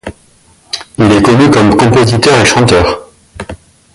Il est connu comme compositeur et chanteur.